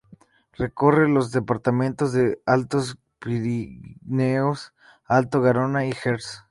Recorre los departamentos de Altos Pirineos, Alto Garona y Gers.